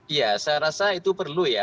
iya saya rasa itu perlu ya